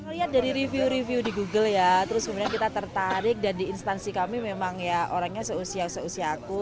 ngelihat dari review review di google ya terus kemudian kita tertarik dan di instansi kami memang ya orangnya seusia seusia aku